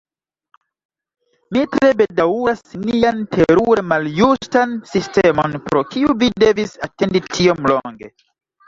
Mi tre bedaŭras nian terure maljustan sistemon, pro kiu vi devis atendi tiom longe!